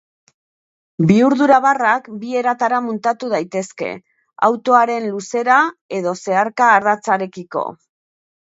Bihurdura-barrak bi eratara muntatu daitezke: autoaren luzera- edo zeharka- ardatzarekiko.